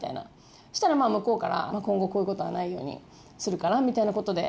そうしたら向こうから今後こういうことはないようにするからみたいなことで。